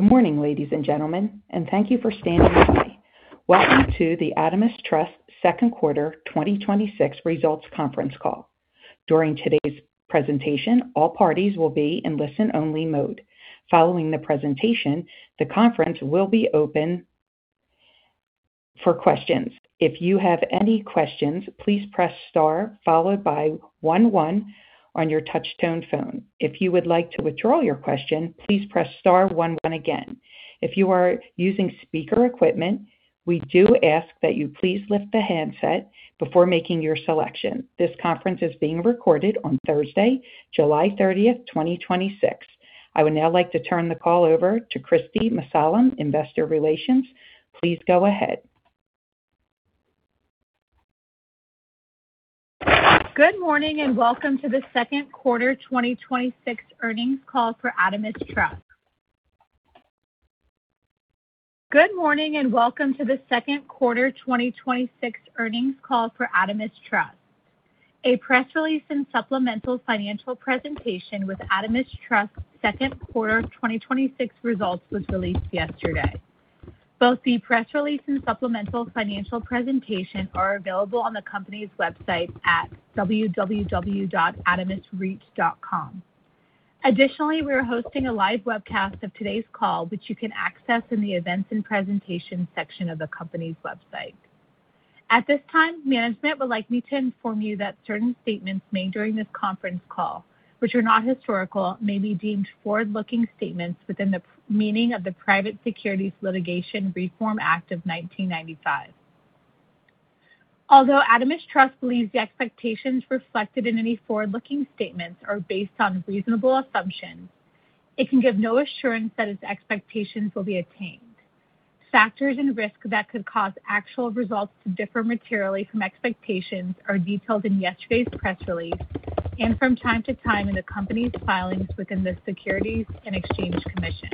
Good morning, ladies and gentlemen, and thank you for standing by. Welcome to the Adamas Trust Q2 2026 results conference call. During today's presentation, all parties will be in listen-only mode. Following the presentation, the conference will be open for questions. If you have any questions, please press star followed by one on your touchtone phone. If you would like to withdraw your question, please press star one one again. If you are using speaker equipment, we do ask that you please lift the handset before making your selection. This conference is being recorded on Thursday, July 30th, 2026. I would now like to turn the call over to Kristi Mussallem, Investor Relations. Please go ahead. Good morning and welcome to the Q2 2026 earnings call for Adamas Trust. A press release and supplemental financial presentation with Adamas Trust Q2 2026 results was released yesterday. Both the press release and supplemental financial presentation are available on the company's website at www.adamasreit.com. Additionally, we are hosting a live webcast of today's call, which you can access in the Events and Presentation section of the company's website. At this time, management would like me to inform you that certain statements made during this conference call, which are not historical, may be deemed forward-looking statements within the meaning of the Private Securities Litigation Reform Act of 1995. Although Adamas Trust believes the expectations reflected in any forward-looking statements are based on reasonable assumptions, it can give no assurance that its expectations will be attained. Factors and risks that could cause actual results to differ materially from expectations are detailed in yesterday's press release and from time to time in the company's filings with the Securities and Exchange Commission.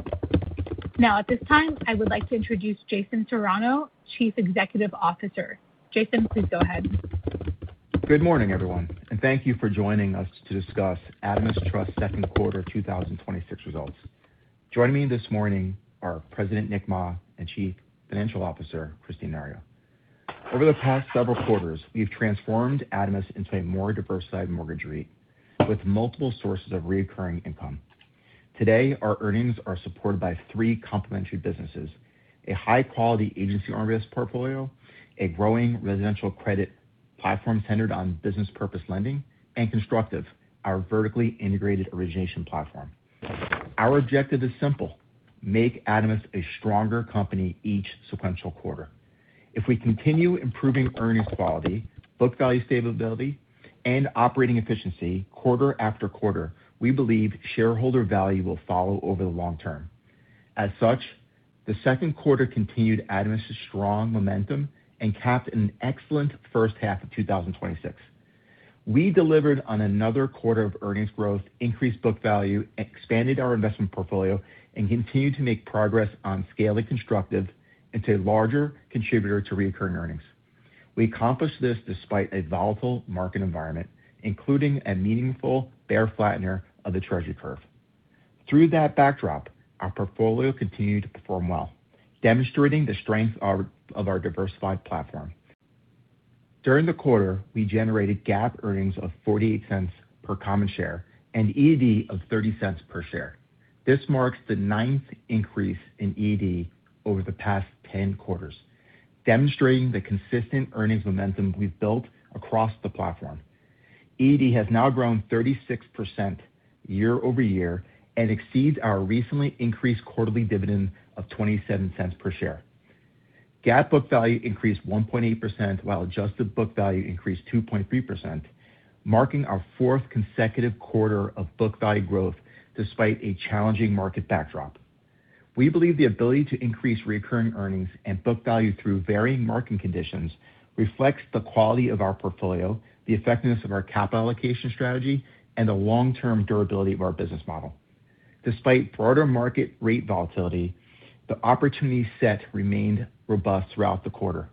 At this time, I would like to introduce Jason Serrano, Chief Executive Officer. Jason, please go ahead. Good morning, everyone, and thank you for joining us to discuss Adamas Trust Q2 2026 results. Joining me this morning are President Nick Mah and Chief Financial Officer Kristine Nario. Over the past several quarters, we've transformed Adamas into a more diversified mortgage REIT with multiple sources of reoccurring income. Today, our earnings are supported by three complementary businesses: a high-quality agency RMBS portfolio, a growing residential credit platform centered on business purpose lending, and Constructive, our vertically integrated origination platform. Our objective is simple: make Adamas a stronger company each sequential quarter. If we continue improving earnings quality, book value stability, and operating efficiency quarter-after-quarter, we believe shareholder value will follow over the long-term. As such, the Q2 continued Adamas' strong momentum and capped an excellent first half of 2026. We delivered on another quarter of earnings growth, increased book value, expanded our investment portfolio, and continued to make progress on scaling Constructive into a larger contributor to recurring earnings. We accomplished this despite a volatile market environment, including a meaningful bear flattener of the Treasury curve. Through that backdrop, our portfolio continued to perform well, demonstrating the strength of our diversified platform. During the quarter, we generated GAAP earnings of $0.48 per common share and EAD of $0.30 per share. This marks the ninth increase in EAD over the past 10 quarters, demonstrating the consistent earnings momentum we've built across the platform. EAD has now grown 36% year-over-year and exceeds our recently increased quarterly dividend of $0.27 per share. GAAP book value increased 1.8%, while adjusted book value increased 2.3%, marking our fourth consecutive quarter of book value growth despite a challenging market backdrop. We believe the ability to increase recurring earnings and book value through varying market conditions reflects the quality of our portfolio, the effectiveness of our capital allocation strategy, and the long-term durability of our business model. Despite broader market rate volatility, the opportunity set remained robust throughout the quarter.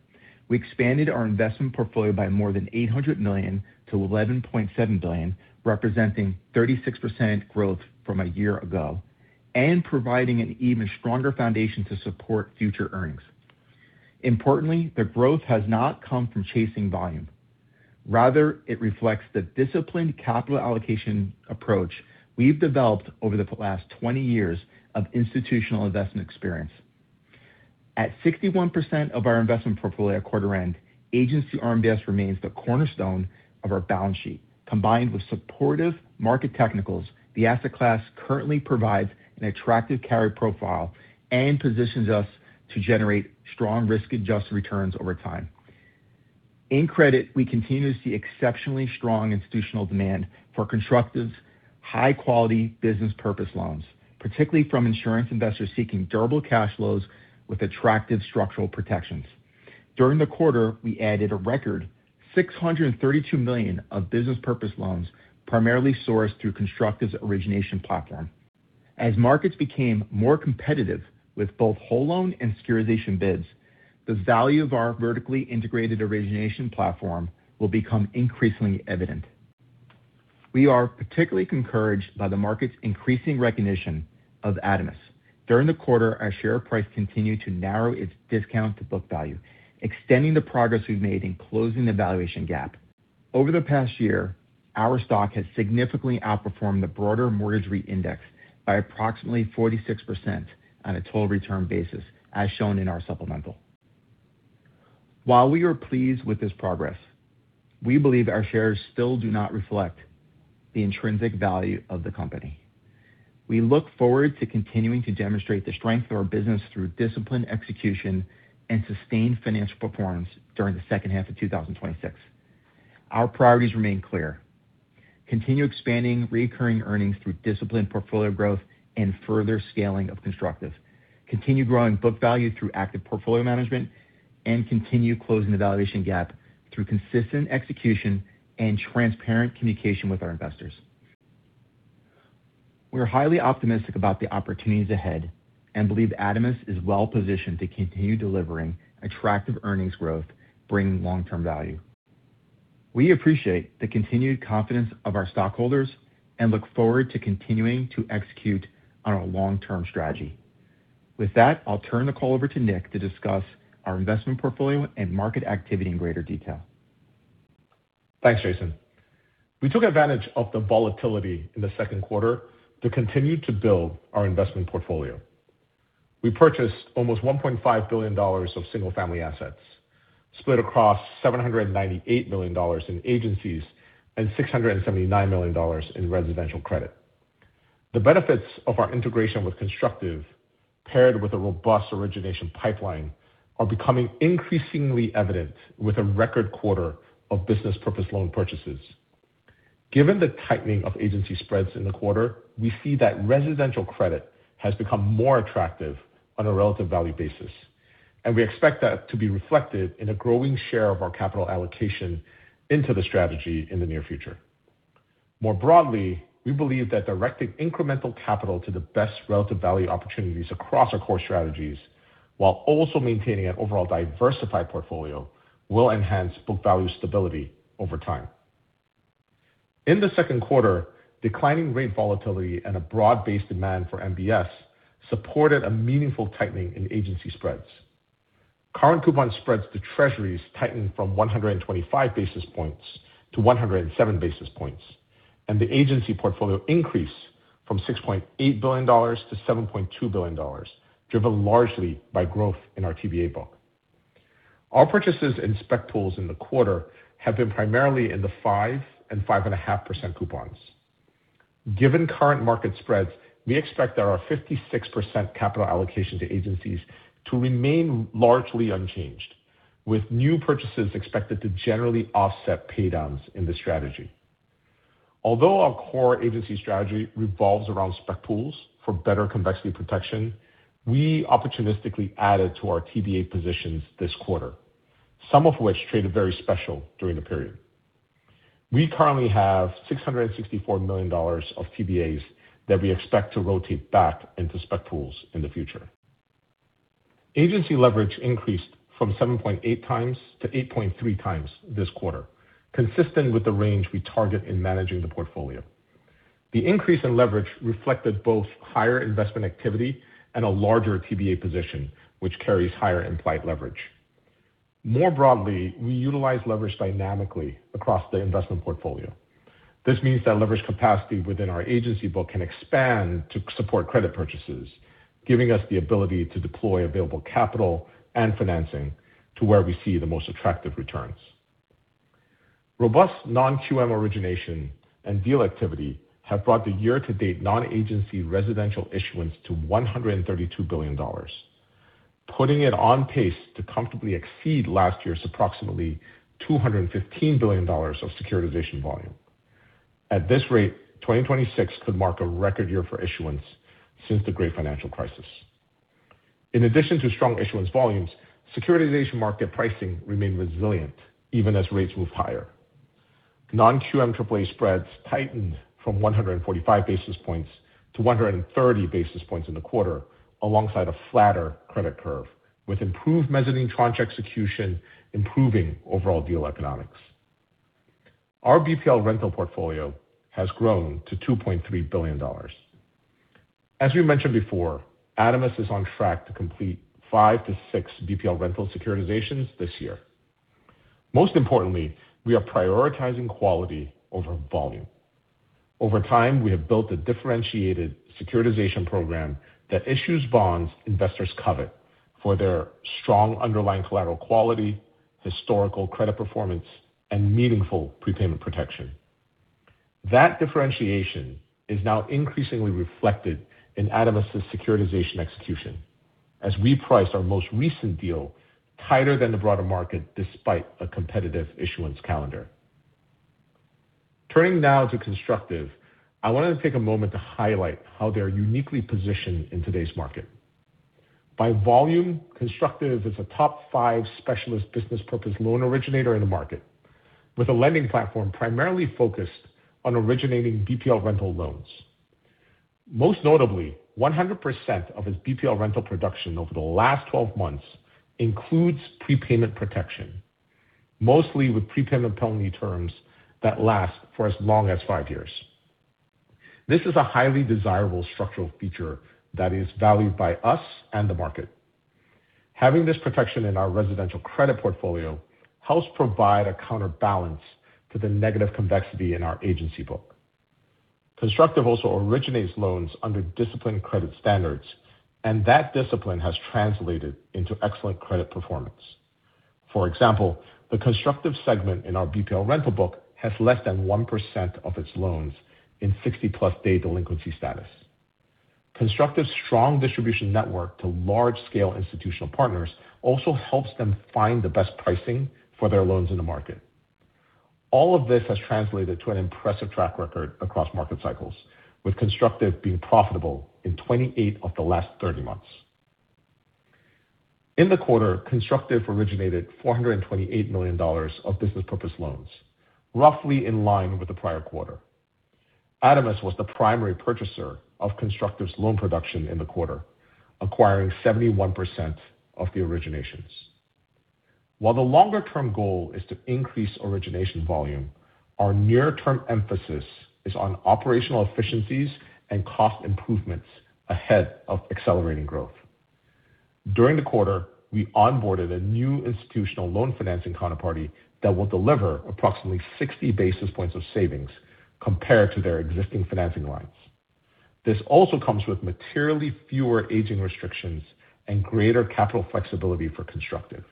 We expanded our investment portfolio by more than $800 million-$11.7 billion, representing 36% growth from a year ago and providing an even stronger foundation to support future earnings. Importantly, the growth has not come from chasing volume. Rather, it reflects the disciplined capital allocation approach we've developed over the last 20 years of institutional investment experience. At 61% of our investment portfolio at quarter-end, agency RMBS remains the cornerstone of our balance sheet. Combined with supportive market technicals, the asset class currently provides an attractive carry profile and positions us to generate strong risk-adjusted returns over time. In credit, we continue to see exceptionally strong institutional demand for Constructive's high-quality business purpose loans, particularly from insurance investors seeking durable cash flows with attractive structural protections. During the quarter, we added a record $632 million of business purpose loans primarily sourced through Constructive's origination platform. As markets became more competitive with both whole loan and securitization bids, the value of our vertically integrated origination platform will become increasingly evident. We are particularly encouraged by the market's increasing recognition of Adamas. During the quarter, our share price continued to narrow its discount to book value, extending the progress we've made in closing the valuation gap. Over the past year, our stock has significantly outperformed the broader mortgage rate index by approximately 46% on a total return basis, as shown in our supplemental. While we are pleased with this progress, we believe our shares still do not reflect the intrinsic value of the company. We look forward to continuing to demonstrate the strength of our business through disciplined execution and sustained financial performance during the H2 of 2026. Our priorities remain clear. Continue expanding recurring earnings through disciplined portfolio growth and further scaling of Constructive. Continue growing book value through active portfolio management, and continue closing the valuation gap through consistent execution and transparent communication with our investors. We are highly optimistic about the opportunities ahead and believe Adamas is well-positioned to continue delivering attractive earnings growth, bringing long-term value. We appreciate the continued confidence of our stockholders and look forward to continuing to execute on our long-term strategy. With that, I'll turn the call over to Nick to discuss our investment portfolio and market activity in greater detail. Thanks, Jason. We took advantage of the volatility in the Q2 to continue to build our investment portfolio. We purchased almost $1.5 billion of single-family assets, split across $798 million in agencies and $679 million in residential credit. The benefits of our integration with Constructive, paired with a robust origination pipeline, are becoming increasingly evident with a record quarter of business purpose loan purchases. Given the tightening of agency spreads in the quarter, we see that residential credit has become more attractive on a relative value basis. We expect that to be reflected in a growing share of our capital allocation into the strategy in the near future. More broadly, we believe that directing incremental capital to the best relative value opportunities across our core strategies, while also maintaining an overall diversified portfolio, will enhance book value stability over time. In the Q2, declining rate volatility and a broad-based demand for MBS supported a meaningful tightening in agency spreads. Current coupon spreads to Treasuries tightened from 125 basis points-107 basis points. The agency portfolio increased from $6.8 billion-$7.2 billion, driven largely by growth in our TBA book. Our purchases in spec pools in the quarter have been primarily in the 5% and 5.5% coupons. Given current market spreads, we expect that our 56% capital allocation to agencies to remain largely unchanged, with new purchases expected to generally offset pay downs in the strategy. Although our core agency strategy revolves around spec pools for better convexity protection, we opportunistically added to our TBA positions this quarter, some of which traded very special during the period. We currently have $664 million of TBAs that we expect to rotate back into spec pools in the future. Agency leverage increased from 7.8x-8.3x this quarter, consistent with the range we target in managing the portfolio. The increase in leverage reflected both higher investment activity and a larger TBA position, which carries higher implied leverage. More broadly, we utilize leverage dynamically across the investment portfolio. This means that leverage capacity within our agency book can expand to support credit purchases, giving us the ability to deploy available capital and financing to where we see the most attractive returns. Robust non-QM origination and deal activity have brought the year-to-date non-agency residential issuance to $132 billion, putting it on pace to comfortably exceed last year's approximately $215 billion of securitization volume. At this rate, 2026 could mark a record year for issuance since the great financial crisis. In addition to strong issuance volumes, securitization market pricing remained resilient even as rates moved higher. Non-QM AAA spreads tightened from 145 basis points-130 basis points in the quarter, alongside a flatter credit curve, with improved mezzanine tranche execution improving overall deal economics. Our BPL rental portfolio has grown to $2.3 billion. As we mentioned before, Adamas is on track to complete five-six BPL rental securitizations this year. Most importantly, we are prioritizing quality over volume. Over time, we have built a differentiated securitization program that issues bonds investors covet for their strong underlying collateral quality, historical credit performance, and meaningful prepayment protection. That differentiation is now increasingly reflected in Adamas's securitization execution as we priced our most recent deal tighter than the broader market despite a competitive issuance calendar. Turning now to Constructive, I wanted to take a moment to highlight how they are uniquely positioned in today's market. By volume, Constructive is a top five specialist business purpose loan originator in the market, with a lending platform primarily focused on originating BPL-Rental loans. Most notably, 100% of its BPL-Rental production over the last 12 months includes prepayment protection, mostly with prepayment penalty terms that last for as long as five years. This is a highly desirable structural feature that is valued by us and the market. Having this protection in our residential credit portfolio helps provide a counterbalance to the negative convexity in our agency book. Constructive also originates loans under disciplined credit standards. That discipline has translated into excellent credit performance. For example, the Constructive segment in our BPL-Rental book has less than 1% of its loans in 60+ day delinquency status. Constructive's strong distribution network to large-scale institutional partners also helps them find the best pricing for their loans in the market. All of this has translated to an impressive track record across market cycles, with Constructive being profitable in 28 of the last 30 months. In the quarter, Constructive originated $428 million of business purpose loans, roughly in line with the prior quarter. Adamas was the primary purchaser of Constructive's loan production in the quarter, acquiring 71% of the originations. While the longer-term goal is to increase origination volume, our near-term emphasis is on operational efficiencies and cost improvements ahead of accelerating growth. During the quarter, we onboarded a new institutional loan financing counterparty that will deliver approximately 60 basis points of savings compared to their existing financing lines. This also comes with materially fewer aging restrictions and greater capital flexibility for Constructive.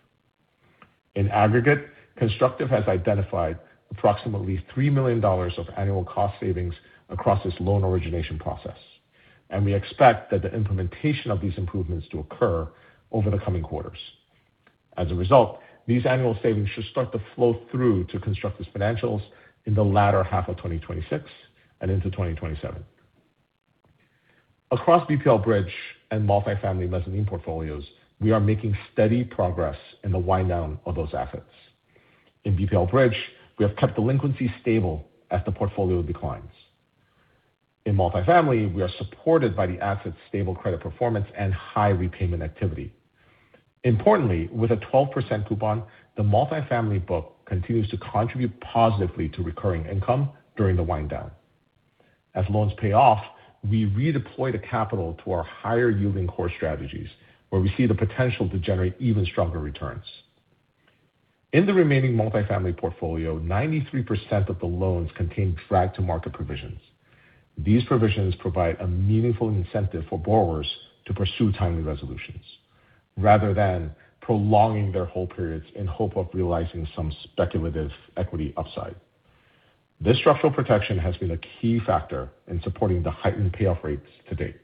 In aggregate, Constructive has identified approximately $3 million of annual cost savings across this loan origination process. We expect that the implementation of these improvements to occur over the coming quarters. As a result, these annual savings should start to flow through to Constructive's financials in the latter half of 2026 and into 2027. Across BPL-Bridge and multifamily mezzanine portfolios, we are making steady progress in the wind down of those assets. In BPL-Bridge, we have kept delinquency stable as the portfolio declines. In multifamily, we are supported by the asset's stable credit performance and high repayment activity. Importantly, with a 12% coupon, the multifamily book continues to contribute positively to recurring income during the wind down. As loans pay off, we redeploy the capital to our higher yielding core strategies, where we see the potential to generate even stronger returns. In the remaining multifamily portfolio, 93% of the loans contain drag-to-market provisions. These provisions provide a meaningful incentive for borrowers to pursue timely resolutions rather than prolonging their hold periods in hope of realizing some speculative equity upside. This structural protection has been a key factor in supporting the heightened payoff rates to date.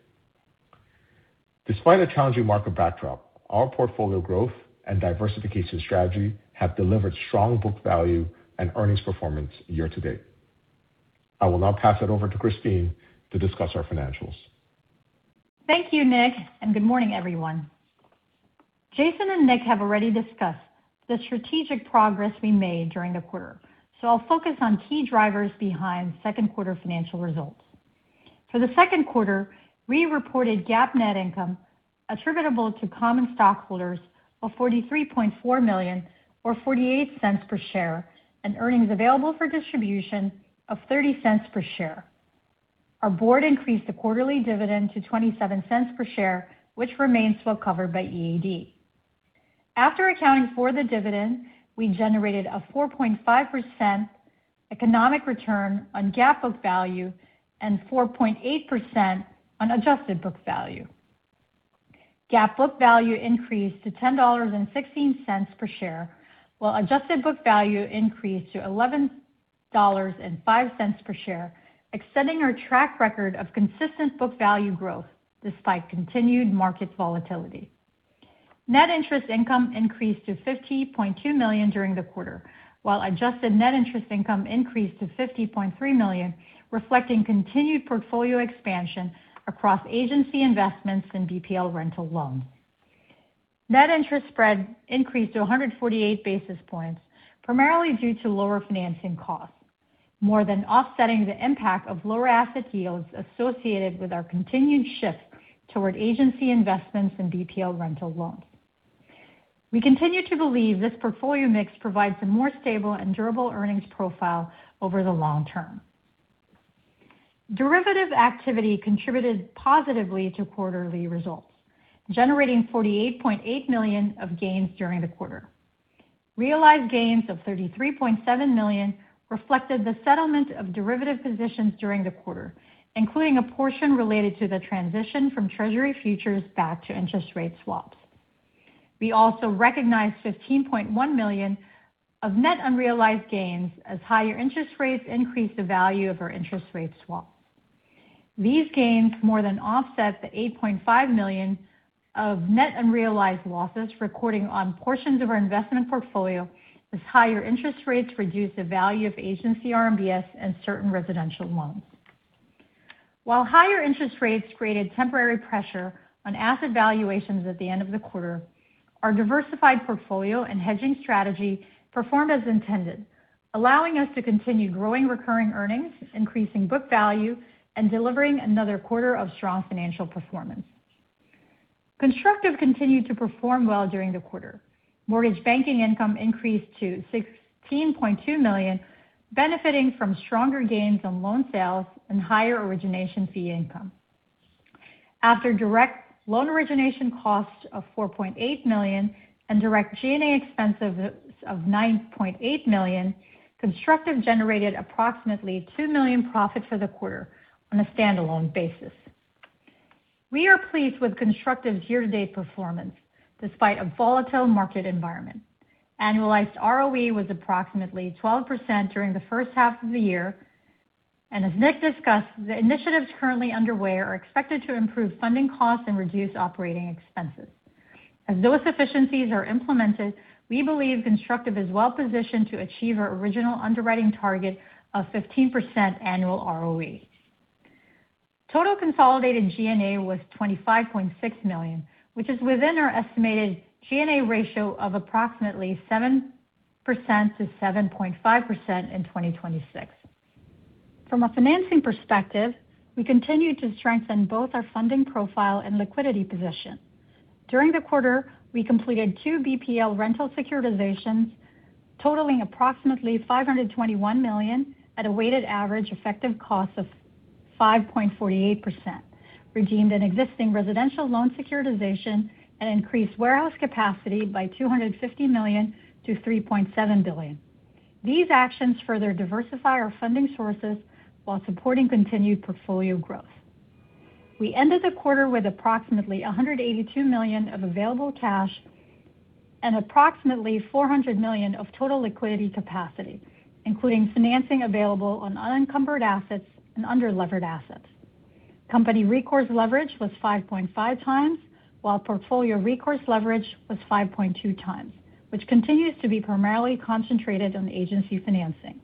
Despite a challenging market backdrop, our portfolio growth and diversification strategy have delivered strong book value and earnings performance year-to-date. I will now pass it over to Kristine to discuss our financials. Thank you, Nick, and good morning, everyone. Jason and Nick have already discussed the strategic progress we made during the quarter, I'll focus on key drivers behind Q2 financial results. For the Q2, we reported GAAP net income attributable to common stockholders of $43.4 million or $0.48 per share, and earnings available for distribution of $0.30 per share. Our board increased the quarterly dividend to $0.27 per share, which remains well covered by EAD. After accounting for the dividend, we generated a 4.5% economic return on GAAP book value and 4.8% on adjusted book value. GAAP book value increased to $10.16 per share, while adjusted book value increased to $11.05 per share, extending our track record of consistent book value growth despite continued market volatility. Net interest income increased to $50.2 million during the quarter, while adjusted net interest income increased to $50.3 million, reflecting continued portfolio expansion across agency investments in BPL-Rental loans. Net interest spread increased to 148 basis points, primarily due to lower financing costs, more than offsetting the impact of lower asset yields associated with our continued shift toward agency investments in BPL-Rental loans. We continue to believe this portfolio mix provides a more stable and durable earnings profile over the long term. Derivative activity contributed positively to quarterly results, generating $48.8 million of gains during the quarter. Realized gains of $33.7 million reflected the settlement of derivative positions during the quarter, including a portion related to the transition from Treasury futures back to interest rate swaps. We also recognized $15.1 million of net unrealized gains as higher interest rates increased the value of our interest rate swap. These gains more than offset the $8.5 million of net unrealized losses recording on portions of our investment portfolio as higher interest rates reduce the value of agency RMBS and certain residential loans. While higher interest rates created temporary pressure on asset valuations at the end of the quarter, our diversified portfolio and hedging strategy performed as intended allowing us to continue growing recurring earnings, increasing book value, and delivering another quarter of strong financial performance. Constructive continued to perform well during the quarter. Mortgage banking income increased to $16.2 million, benefiting from stronger gains on loan sales and higher origination fee income. After direct loan origination costs of $4.8 million and direct G&A expenses of $9.8 million, Constructive generated approximately $2 million profit for the quarter on a standalone basis. We are pleased with Constructive's year-to-date performance despite a volatile market environment. Annualized ROE was approximately 12% during the H1 of the year. As Nick discussed, the initiatives currently underway are expected to improve funding costs and reduce operating expenses. As those efficiencies are implemented, we believe Constructive is well positioned to achieve our original underwriting target of 15% annual ROE. Total consolidated G&A was $25.6 million, which is within our estimated G&A ratio of approximately 7%-7.5% in 2026. From a financing perspective, we continue to strengthen both our funding profile and liquidity position. During the quarter, we completed two BPL-Rental securitizations totaling approximately $521 million at a weighted average effective cost of 5.48%, redeemed an existing residential loan securitization, and increased warehouse capacity by $250 million-$3.7 billion. These actions further diversify our funding sources while supporting continued portfolio growth. We ended the quarter with approximately $182 million of available cash and approximately $400 million of total liquidity capacity, including financing available on unencumbered assets and under-levered assets. Company recourse leverage was 5.5x, while portfolio recourse leverage was 5.2x, which continues to be primarily concentrated on agency financing.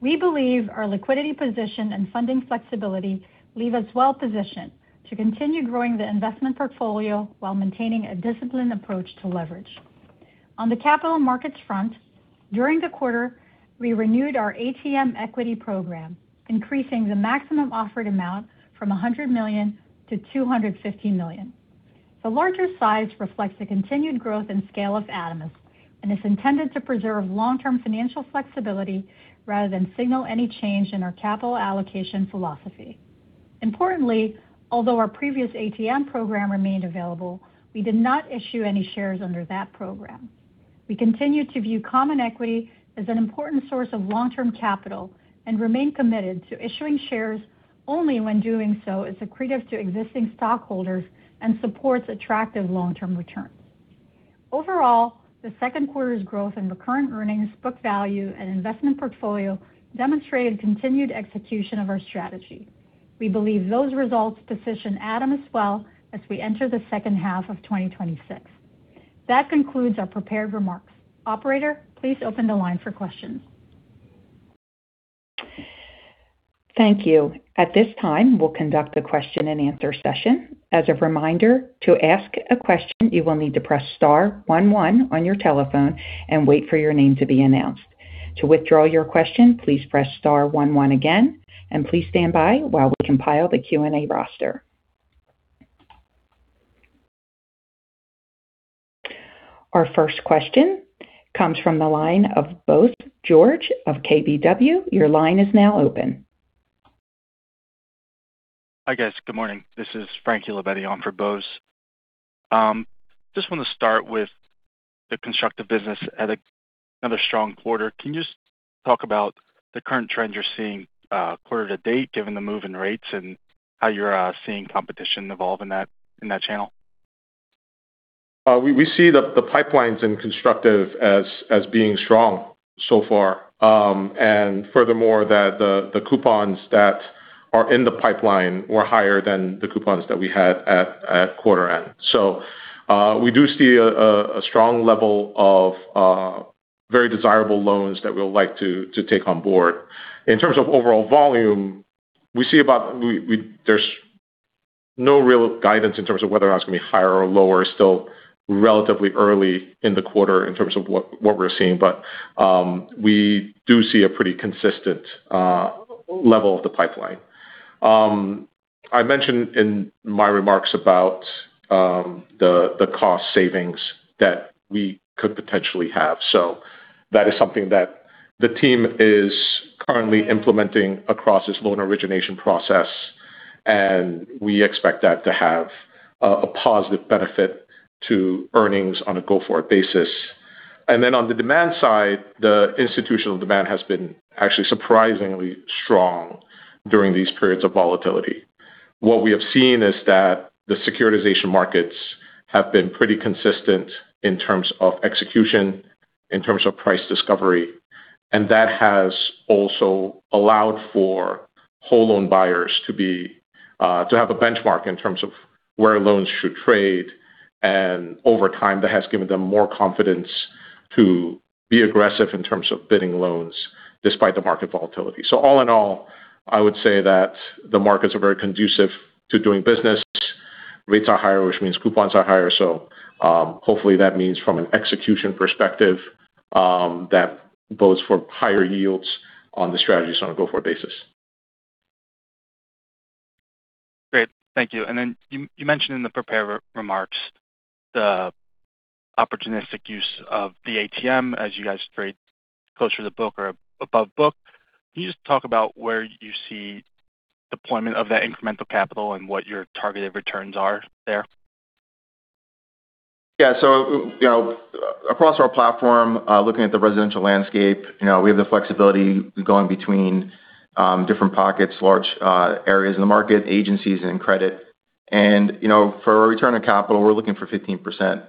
We believe our liquidity position and funding flexibility leave us well positioned to continue growing the investment portfolio while maintaining a disciplined approach to leverage. On the capital markets front, during the quarter, we renewed our ATM equity program, increasing the maximum offered amount from $100 million-$250 million. The larger size reflects the continued growth and scale of Adamas and is intended to preserve long-term financial flexibility rather than signal any change in our capital allocation philosophy. Importantly, although our previous ATM program remained available, we did not issue any shares under that program. We continue to view common equity as an important source of long-term capital and remain committed to issuing shares only when doing so is accretive to existing stockholders and supports attractive long-term returns. Overall, the Q2's growth in recurring earnings, book value, and investment portfolio demonstrated continued execution of our strategy. We believe those results position Adamas well as we enter the H2 of 2026. That concludes our prepared remarks. Operator, please open the line for questions. Thank you. At this time, we'll conduct the question-and-answer session. As a reminder, to ask a question, you will need to press star one one on your telephone and wait for your name to be announced. To withdraw your question, please press star one one again, and please stand by while we compile the Q&A roster. Our first question comes from the line of Bose George of KBW. Your line is now open. Hi, guys. Good morning. This is Francesco Labetti on for Bose. Just want to start with the Constructive business had another strong quarter. Can you just talk about the current trends you're seeing quarter to date, given the move in rates and how you're seeing competition evolve in that channel? We see the pipelines in Constructive as being strong so far. Furthermore, that the coupons that are in the pipeline were higher than the coupons that we had at quarter-end. We do see a strong level of very desirable loans that we will like to take on board. In terms of overall volume, there's no real guidance in terms of whether or not it's going to be higher or lower. Still relatively early in the quarter in terms of what we're seeing. We do see a pretty consistent level of the pipeline. I mentioned in my remarks about the cost savings that we could potentially have. That is something that the team is currently implementing across this loan origination process, and we expect that to have a positive benefit to earnings on a go-forward basis. On the demand side, the institutional demand has been actually surprisingly strong during these periods of volatility. What we have seen is that the securitization markets have been pretty consistent in terms of execution, in terms of price discovery, and that has also allowed for whole loan buyers to have a benchmark in terms of where loans should trade. Over time, that has given them more confidence to be aggressive in terms of bidding loans despite the market volatility. All in all, I would say that the markets are very conducive to doing business Rates are higher, which means coupons are higher. Hopefully that means from an execution perspective, that bodes for higher yields on the strategies on a go-forward basis. Great. Thank you. You mentioned in the prepared remarks the opportunistic use of the ATM as you guys trade closer to book or above book. Can you just talk about where you see deployment of that incremental capital and what your targeted returns are there? Across our platform, looking at the residential landscape, we have the flexibility going between different pockets, large areas in the market, agencies, and credit. For a return on capital, we're looking for 15%+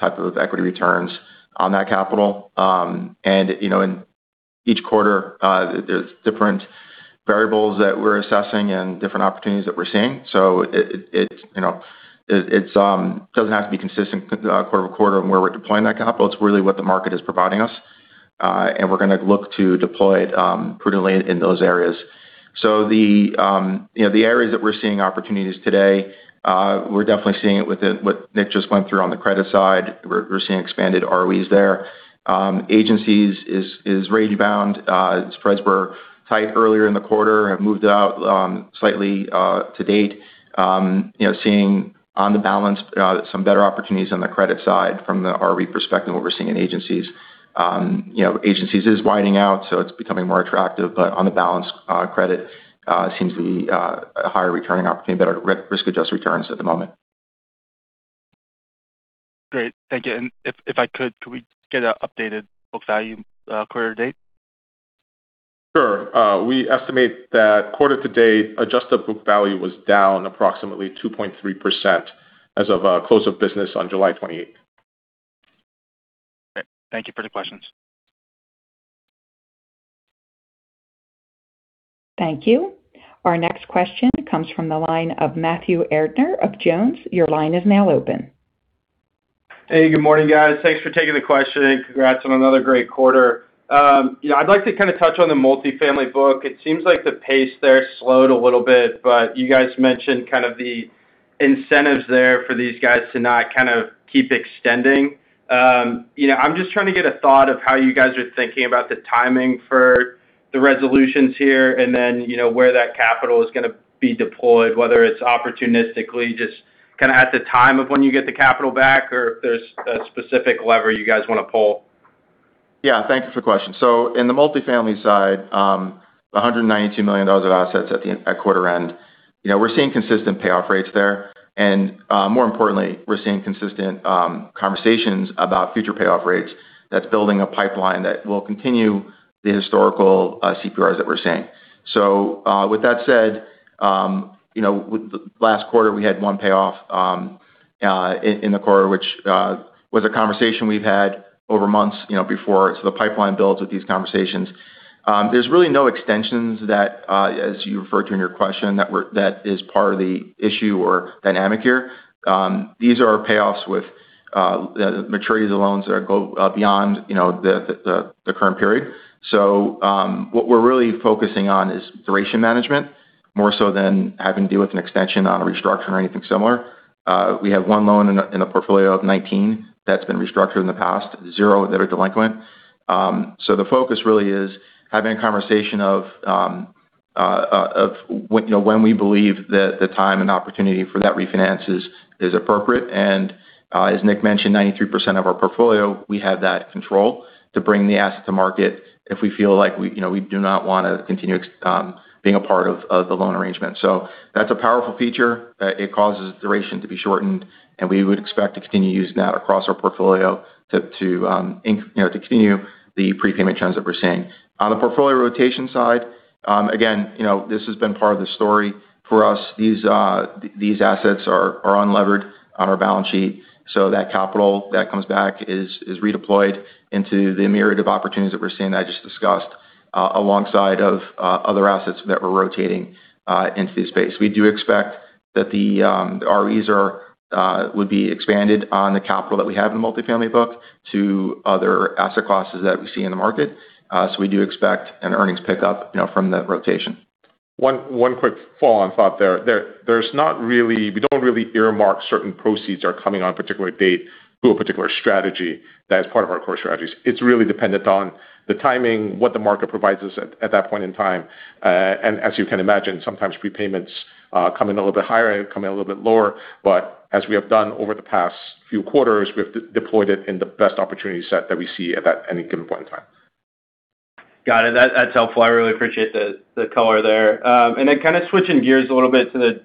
type of equity returns on that capital. In each quarter, there's different variables that we're assessing and different opportunities that we're seeing. It doesn't have to be consistent quarter-over-quarter on where we're deploying that capital. It's really what the market is providing us. We're going to look to deploy it prudently in those areas. The areas that we're seeing opportunities today, we're definitely seeing it with what Nick just went through on the credit side. We're seeing expanded ROE there. Agencies is rate bound. Spreads were tight earlier in the quarter, have moved out slightly to date. Seeing on the balance some better opportunities on the credit side from the ROE perspective, what we're seeing in agencies. Agencies is widening out, it's becoming more attractive, on the balance credit seems to be a higher returning opportunity, better risk-adjusted returns at the moment. Great. Thank you. If I could we get an updated book value quarter-to-date? Sure. We estimate that quarter-to-date adjusted book value was down approximately 2.3% as of close of business on July 28th. Great. Thank you for the questions. Thank you. Our next question comes from the line of Matthew Erdner of JonesTrading. Your line is now open. Hey, good morning, guys. Thanks for taking the question, and congrats on another great quarter. I'd like to kind of touch on the multifamily book. It seems like the pace there slowed a little bit, but you guys mentioned kind of the incentives there for these guys to not kind of keep extending. I'm just trying to get a thought of how you guys are thinking about the timing for the resolutions here, and then where that capital is going to be deployed, whether it's opportunistically just kind of at the time of when you get the capital back, or if there's a specific lever you guys want to pull. Yeah. Thank you for the question. In the multifamily side, $192 million of assets at quarter-end. We're seeing consistent payoff rates there. More importantly, we're seeing consistent conversations about future payoff rates that's building a pipeline that will continue the historical CPRs that we're seeing. With that said, last quarter, we had one payoff in the quarter, which was a conversation we've had over months before. The pipeline builds with these conversations. There's really no extensions that, as you referred to in your question, that is part of the issue or dynamic here. These are payoffs with maturities of loans that go beyond the current period. What we're really focusing on is duration management, more so than having to deal with an extension on a restructure or anything similar. We have one loan in a portfolio of 19 that's been restructured in the past, zero that are delinquent. The focus really is having a conversation of when we believe that the time and opportunity for that refinance is appropriate. As Nick mentioned, 93% of our portfolio, we have that control to bring the asset to market if we feel like we do not want to continue being a part of the loan arrangement. That's a powerful feature. It causes duration to be shortened, and we would expect to continue using that across our portfolio to continue the prepayment trends that we're seeing. On the portfolio rotation side, again, this has been part of the story for us. These assets are unlevered on our balance sheet, that capital that comes back is redeployed into the myriad of opportunities that we're seeing that I just discussed alongside of other assets that we're rotating into the space. We do expect that the ROE would be expanded on the capital that we have in the multifamily book to other asset classes that we see in the market. We do expect an earnings pickup from that rotation. One quick follow-on thought there. We don't really earmark certain proceeds are coming on a particular date to a particular strategy that is part of our core strategies. It's really dependent on the timing, what the market provides us at that point in time. As you can imagine, sometimes prepayments come in a little bit higher, come in a little bit lower. As we have done over the past few quarters, we've deployed it in the best opportunity set that we see at any given point in time. Got it. That's helpful. I really appreciate the color there. Then kind of switching gears a little bit to the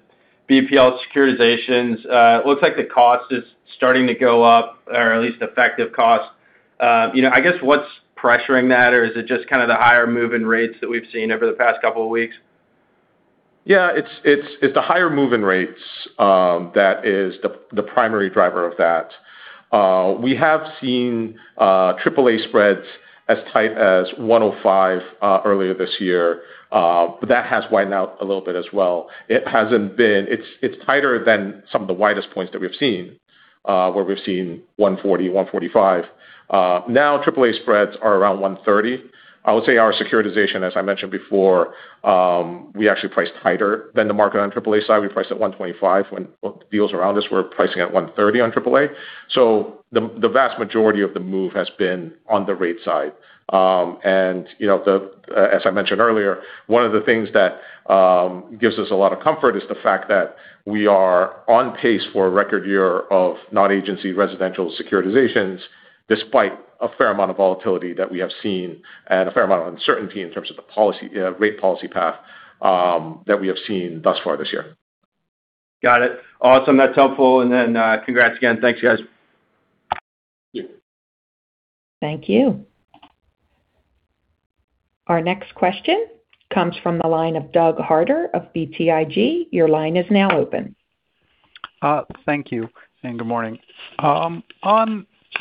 BPL securitizations. It looks like the cost is starting to go up, or at least effective cost. I guess what's pressuring that, or is it just kind of the higher move-in rates that we've seen over the past couple of weeks? Yeah, it's the higher move-in rates that is the primary driver of that. We have seen AAA spreads as tight as 105 earlier this year. That has widened out a little bit as well. It's tighter than some of the widest points that we've seen, where we've seen 140, 145. Now AAA spreads are around 130. I would say our securitization, as I mentioned before, we actually priced tighter than the market on AAA side. We priced at 125 when deals around us were pricing at 130 on AAA. The vast majority of the move has been on the rate side. As I mentioned earlier, one of the things that gives us a lot of comfort is the fact that we are on pace for a record year of non-agency residential securitizations despite a fair amount of volatility that we have seen and a fair amount of uncertainty in terms of the rate policy path that we have seen thus far this year. Got it. Awesome. That's helpful. Congrats again. Thanks, guys. Thank you. Our next question comes from the line of Doug Harter of BTIG. Your line is now open. Thank you and good morning.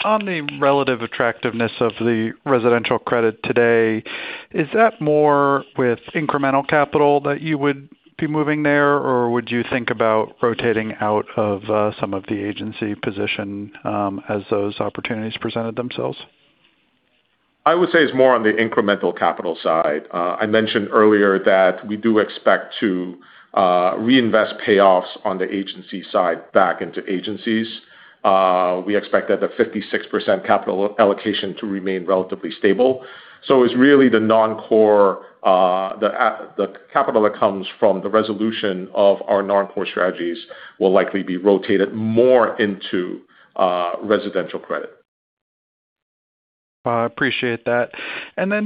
On the relative attractiveness of the residential credit today, is that more with incremental capital that you would be moving there, or would you think about rotating out of some of the agency position as those opportunities presented themselves? I would say it's more on the incremental capital side. I mentioned earlier that we do expect to reinvest payoffs on the agency side back into agencies. We expect that the 56% capital allocation to remain relatively stable. It's really the non-core, the capital that comes from the resolution of our non-core strategies will likely be rotated more into residential credit. I appreciate that.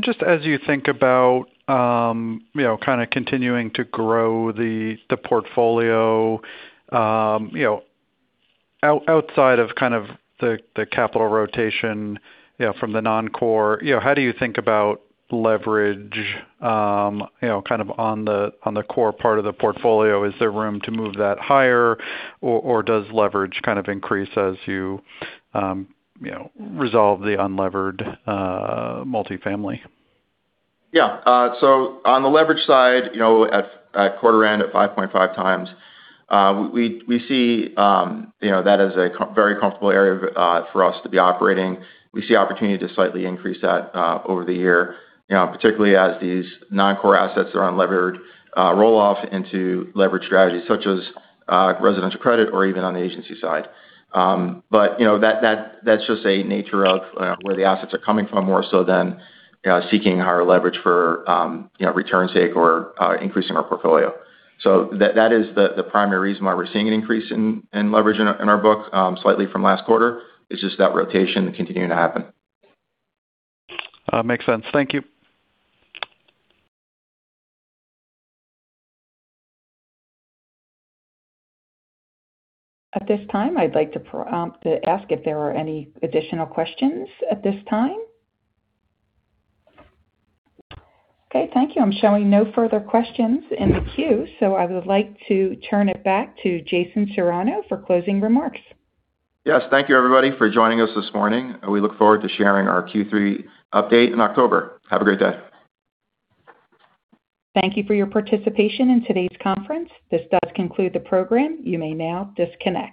Just as you think about kind of continuing to grow the portfolio outside of the capital rotation from the non-core, how do you think about leverage kind of on the core part of the portfolio? Is there room to move that higher, or does leverage kind of increase as you resolve the unlevered multifamily? Yeah. On the leverage side, at quarter end at 5.5x, we see that as a very comfortable area for us to be operating. We see opportunity to slightly increase that over the year, particularly as these non-core assets that are unlevered roll off into leverage strategies such as residential credit or even on the agency side. That's just a nature of where the assets are coming from, more so than seeking higher leverage for return's sake or increasing our portfolio. That is the primary reason why we're seeing an increase in leverage in our book slightly from last quarter, is just that rotation continuing to happen. Makes sense. Thank you. At this time, I'd like to ask if there are any additional questions at this time. Okay, thank you. I'm showing no further questions in the queue, so I would like to turn it back to Jason Serrano for closing remarks. Yes, thank you everybody for joining us this morning, and we look forward to sharing our Q3 update in October. Have a great day. Thank you for your participation in today's conference. This does conclude the program. You may now disconnect.